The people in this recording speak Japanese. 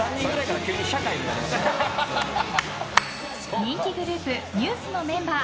人気グループＮＥＷＳのメンバー。